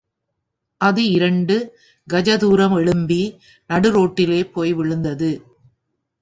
அது இரண்டு, கஜதூரம் எழும்பி நடுரோட்டிலே போய் விழுந்தது.